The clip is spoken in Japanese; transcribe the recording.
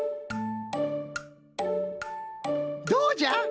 どうじゃ？